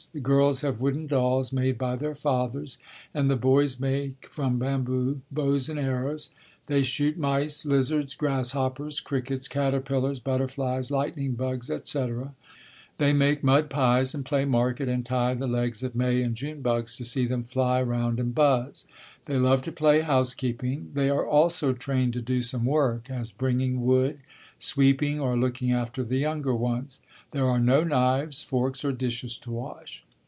The girls have wooden dolls made by their fathers, and the boys make from bamboo bows and arrows. They shoot mice, lizards, grasshoppers, crickets, caterpillars, butterflies, lightning bugs, etc. They make mud pies and play market, and tie the legs of May and June bugs to see them fly around and buzz. They love to play housekeeping. They are also trained to do some work, as bringing wood, sweeping or looking after the younger ones. There are no knives, forks or dishes to wash.